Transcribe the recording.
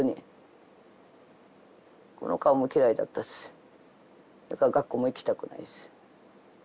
この顔も嫌いだったし学校も行きたくないし。